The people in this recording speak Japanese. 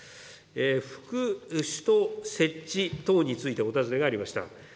副首都設置等についてお尋ねがありました。